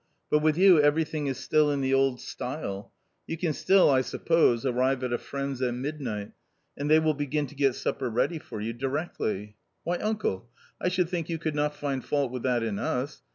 But with you everything is still in the old style ; you can still I suppose arrive at a friend's at midnight ; and they will begin to get supper ready for you directly." "Why, uncle, I should think you could not find fault with that in us.